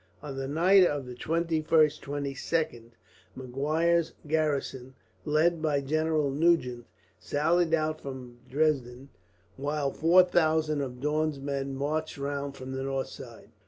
On the night of the 21st 22nd Maguire's garrison, led by General Nugent, sallied out from Dresden; while four thousand of Daun's men marched round from the north side.